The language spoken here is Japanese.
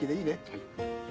はい。